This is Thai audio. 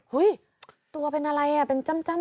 เฮ้ยตัวเป็นอะไรเป็นจ้ำ